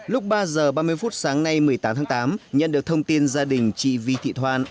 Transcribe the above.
lúc ba h ba mươi phút sáng nay một mươi tám tháng tám nhận được thông tin gia đình chị vi thị thoan